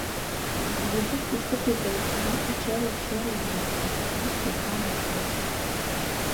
Ӱлычын кӱшкӧ кӱзен, чыла пачерым шерын лекте, кӱлеш числам ыш му.